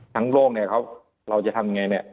ทั้งโลกเราจะทำอย่างไร